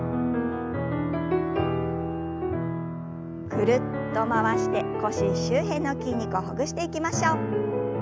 ぐるっと回して腰周辺の筋肉をほぐしていきましょう。